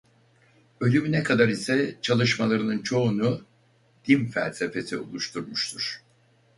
Ölümüne kadar ise çalışmalarının çoğunu "din felsefesi" oluşturmuştur.